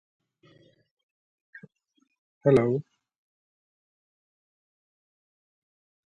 Caches provide memory management.